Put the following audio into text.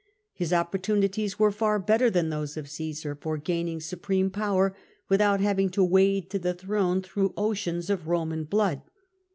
His opportunities were far better than those of Caesar for gaining supreme power, without having to wade to the throne through oceans of Eoman blood.